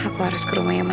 aku harus ke rumahnya ma'am